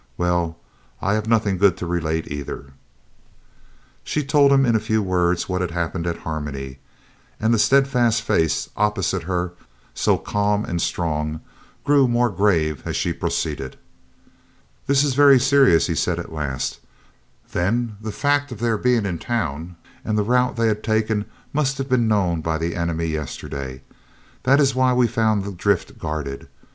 "Well, I have nothing good to relate either." She told him in a few words what had happened at Harmony, and the steadfast face opposite her, so calm and strong, grew more grave as she proceeded. "This is very serious," he said at last; "then the fact of their being in town, and the route they had taken, must have been known to the enemy yesterday. That is why we found the drift guarded.